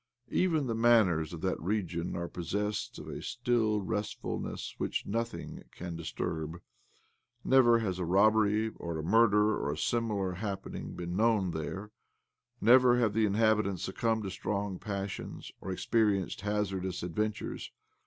Even the manners of that region are possessed of a still restfulness which nothing can disturb. Never has a robbery or a murder or a similar happening been known there ; never have the inhabitants succumbed to strong passions, or experienced hazardous adventures.